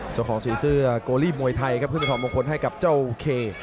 สีเสื้อโกลีมวยไทยครับขึ้นไปถอดมงคลให้กับเจ้าเค